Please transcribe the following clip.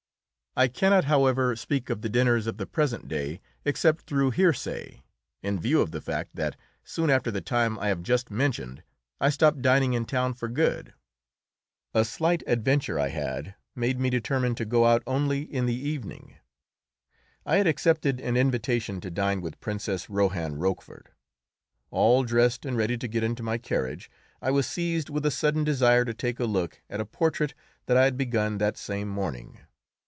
I cannot, however, speak of the dinners of the present day excepting through hearsay, in view of the fact that soon after the time I have just mentioned I stopped dining in town for good. A slight adventure I had made me determine to go out only in the evening. I had accepted an invitation to dine with Princess Rohan Rochefort. All dressed and ready to get into my carriage, I was seized with a sudden desire to take a look at a portrait that I had begun that same morning.